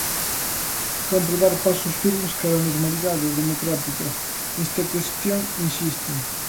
Cómpre dar pasos firmes cara á normalidade democrática nesta cuestión, insisten.